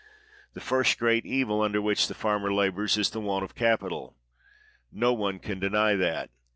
The first great evil under which the farmer labors is the want of capital. No one can deny that.